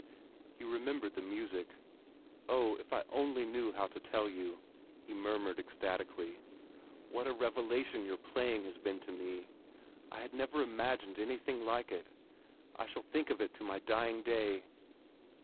He remembered the music. "Oh, if I only knew how to tell you," he murmured ecstatically, "what a revelation your playing has been to me! I had never imagined anything like it. I shall think of it to my dying day."